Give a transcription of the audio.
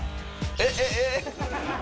えっ？